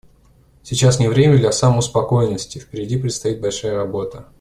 Сейчас не время для самоуспокоенности; впереди предстоит большая работа.